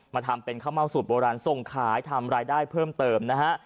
ทำเป็นข้าวเม่าสูตรโบราณส่งขายทำรายได้เพิ่มเติมนะฮะ